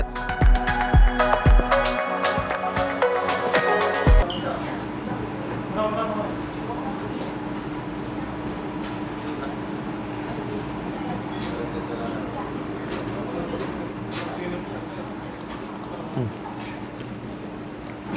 tidak tidak tidak